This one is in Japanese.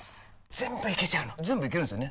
全部いけちゃうの全部いけるんですよね？